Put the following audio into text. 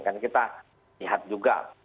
kan kita lihat juga